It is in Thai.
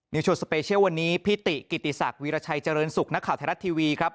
โชว์สเปเชียลวันนี้พี่ติกิติศักดิราชัยเจริญสุขนักข่าวไทยรัฐทีวีครับ